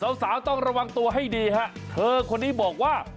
สาวสาวต้องระวังตัวให้ดีฮะเธอคนนี้บอกว่า